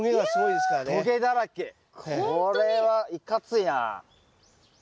これはいかついな。